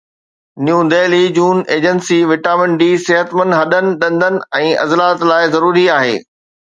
نيو Delhi June agency vitamin D صحتمند هڏن، ڏندن ۽ عضلات لاءِ ضروري آهي